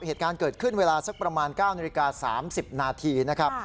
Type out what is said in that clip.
เหตุการณ์เกิดขึ้นเวลาสักประมาณ๙นาฬิกา๓๐นาทีนะครับ